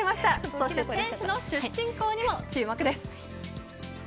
そして、選手の出身校にも注目です。